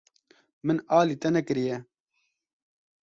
Min alî te nekiriye.